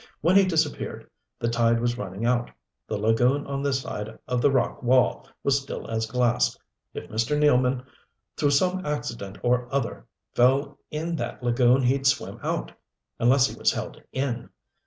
When he disappeared the tide was running out the lagoon on this side of the rock wall was still as glass. If Mr. Nealman, through some accident or other, fell in that lagoon he'd swim out unless he was held in.